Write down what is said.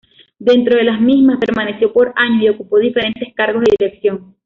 Dentro de las mismas, permaneció por años y ocupó diferentes cargos de dirección.